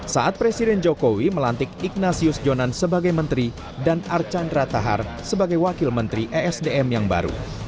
saat presiden jokowi melantik ignasius jonan sebagai menteri dan archandra tahar sebagai wakil menteri esdm yang baru